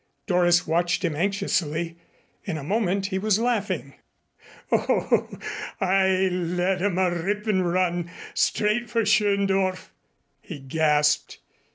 Doris watched him anxiously. In a moment he was laughing. "Oh, I led 'em a rippin' run straight for Schöndorf," he gasped.